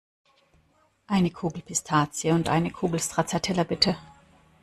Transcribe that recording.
Eine Kugel Pistazie und eine Kugel Stracciatella, bitte!